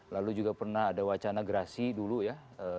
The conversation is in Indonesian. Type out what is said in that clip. lalu juga pernah ada wacana gerasi dulu ya